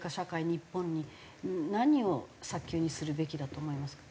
日本に何を早急にするべきだと思いますか？